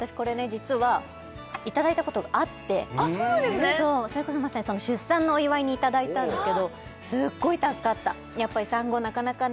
実はいただいたことがあってそれこそまさに出産のお祝いにいただいたんですけどすっごい助かったやっぱり産後なかなかね